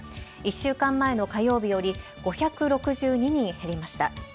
１週間前の火曜日より５６２人減りました。